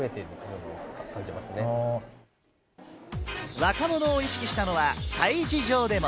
若者を意識したのは催事場でも。